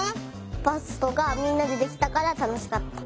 パスとかみんなでできたからたのしかった。